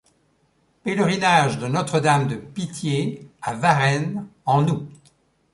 Pèlerinage de Notre-Dame-de-Pitié à Varennes en août.